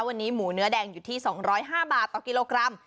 วันนี้หมูเนื้อแดงอยู่ที่สองร้อยห้าบาทต่อกิโลกรัม